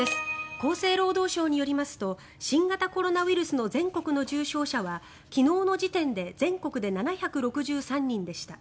厚生労働省によりますと新型コロナウイルスの全国の重症者は昨日の時点で全国で７６３人でした。